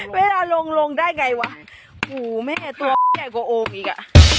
เวลาลงลงได้ไงวะหูแม่ตัวใหญ่กว่าโอบอีกอ่ะ